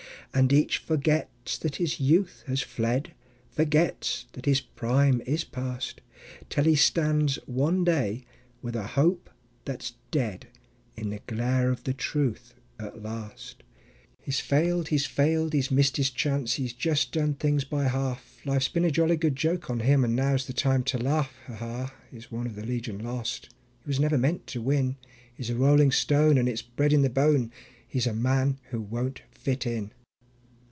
And each forgets that his youth has fled, Forgets that his prime is past, Till he stands one day, with a hope that's dead, In the glare of the truth at last. He has failed, he has failed; he has missed his chance; He has just done things by half. Life's been a jolly good joke on him, And now is the time to laugh. Ha, ha! He is one of the Legion Lost; He was never meant to win; He's a rolling stone, and it's bred in the bone; He's a man who won't fit in.